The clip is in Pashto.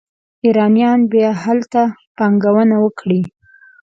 ایرانیان باید هلته پانګونه وکړي.